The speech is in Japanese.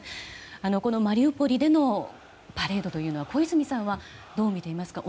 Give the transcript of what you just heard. このマリウポリでのパレードというのは小泉さんはどう見ていますか？